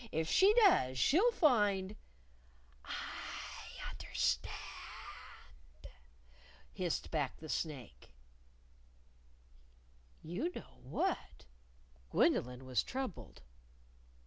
If she does she'll find " "I understand!" hissed back the snake. You know what? Gwendolyn was troubled.